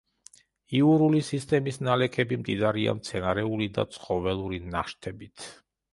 იურული სისტემის ნალექები მდიდარია მცენარეული და ცხოველური ნაშთებით.